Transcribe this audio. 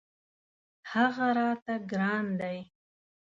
هغه راته ګران دی.